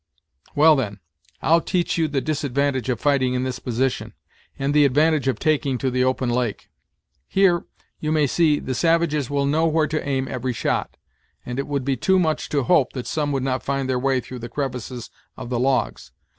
"Well, then, I'll teach you the disadvantage of fighting in this position, and the advantage of taking to the open lake. Here, you may see, the savages will know where to aim every shot; and it would be too much to hope that some would not find their way through the crevices of the logs.